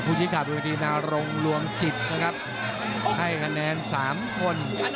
ผู้ชิงขาดเป็นคนที่มาลงรวมจิตนะครับให้คะแนน๓คน